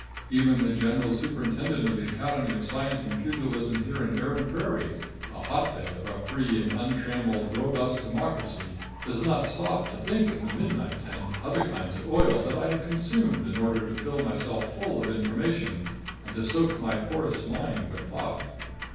Even the general superintendent of the Academy of Science and Pugilism here in Erin Prairie, the hotbed of a free and untrammeled, robust democracy, does not stop to think of the midnight and other kinds of oil that I have consumed in order to fill myself full of information and to soak my porous mind with thought.